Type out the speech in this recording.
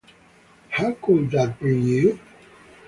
How could that bring you?